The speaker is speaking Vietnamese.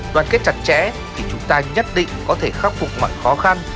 đoàn kết chặt chẽ thì chúng ta nhất định có thể khắc phục mọi khó khăn